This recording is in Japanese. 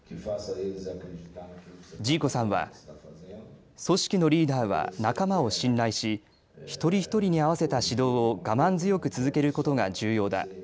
ジーコさんは組織のリーダーは仲間を信頼し一人一人に合わせた指導を我慢強く続けることが重要だ。